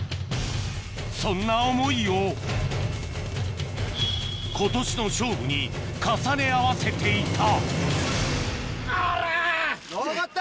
そんな思いを今年の勝負に重ね合わせていたのこった。